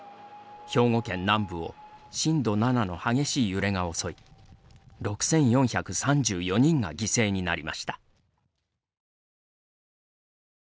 兵庫県南部を震度７の激しい揺れが襲い６４３４人が犠牲になりました。